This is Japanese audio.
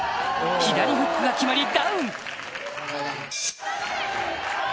左フックが決まりダウン！